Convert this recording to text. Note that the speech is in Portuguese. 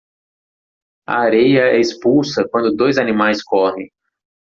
A areia é expulsa quando dois animais correm